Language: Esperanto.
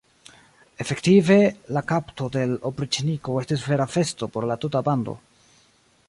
Efektive, la kapto de l' opriĉniko estis vera festo por la tuta bando.